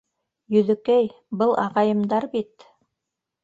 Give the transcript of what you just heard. — Йөҙөкәй, был ағайымдар бит.